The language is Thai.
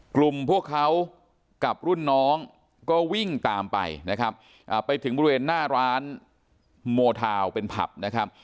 กลุ่มพวกเขากับรุ่นน้องก็วิ่งตามไปนะครับไปถึงบริเวณหน้าร้านโมทาวน์เป็นผับนะครับ